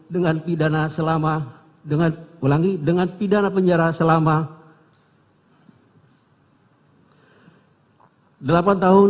dengan pidana penjara selama delapan tahun